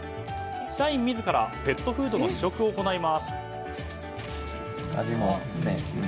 社員自らペットフードの試食を行います。